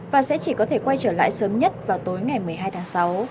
và sẽ chỉ có thể quay trở lại sớm nhất vào tối ngày một mươi hai tháng sáu